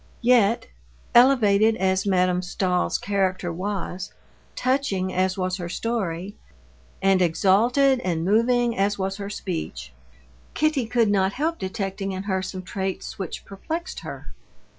Yet, elevated as Madame Stahl's character was, touching as was her story, and exalted and moving as was her speech, Kitty could not help detecting in her some traits which perplexed her.